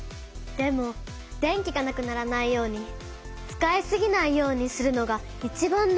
でも電気がなくならないように使いすぎないようにするのがいちばん大事なのよ。